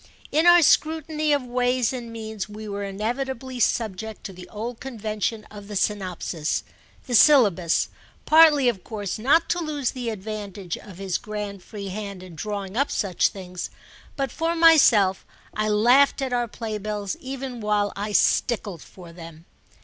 In our scrutiny of ways and means we were inevitably subject to the old convention of the synopsis, the syllabus, partly of course not to lose the advantage of his grand free hand in drawing up such things; but for myself I laughed at our playbills even while I stickled for them.